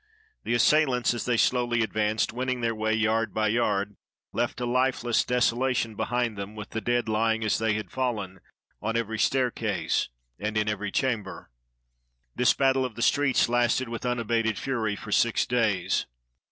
The assail ants, as they slowly advanced, winning their way yard by yard, left a lifeless desolation behind them, with the dead lying as they had fallen, on every staircase and in every chamber. This battle of the streets lasted with unabated fury for six days.